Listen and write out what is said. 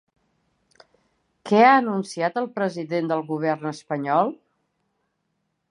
Què ha anunciat el president del govern espanyol?